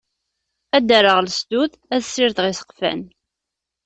Ad d-rreɣ lesdud, ad sirdeɣ iseqfan.